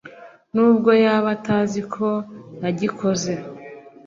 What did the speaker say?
nubwo yaba atazi ko yagikoze